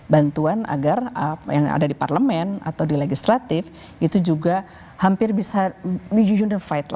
bantuan agar yang ada di parlemen atau di legislatif itu juga hampir bisa mega uno fight